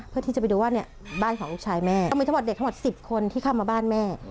เพื่อที่จะไปดูว่าเนี่ยบ้านของลูกชายแม่ต้องมีทั้งหมดเด็กทั้งหมด๑๐คนที่เข้ามาบ้านแม่